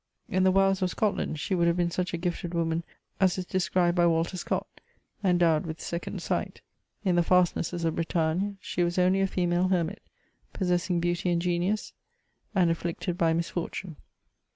'' In the wilds of Scotland, she would have been such a gifted woman as is described by Walter Scott — endowed with second sight ; in the fastnesses of Bretagne, she was only a female hermit, possessing beauty and genius, and afflicted by misfortune.